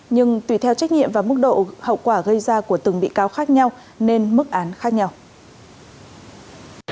nhưng tùy theo trách nhiệm và mức độ hậu quả gây ra của từng bị cáo khác nhau nên mức án khác nhau